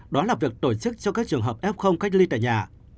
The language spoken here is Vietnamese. đó là việc tổ chức cho các trường hợp f cách ly tại nhà